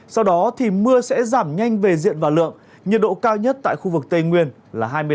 sau đó thì mưa sẽ giảm nhanh về diện và lượng nhiệt độ cao nhất tại khu vực tây nguyên là hai mươi năm